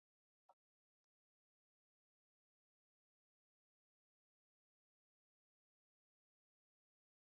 তা উচ্চারিত হচ্ছে একজন সম্মানিত মুখ থেকে।